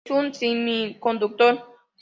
Es un semiconductor.